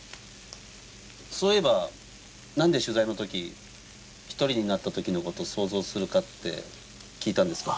そういえばなんで取材のとき独りになったときのこと想像するかって聞いたんですか？